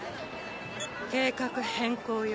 計画変更よ。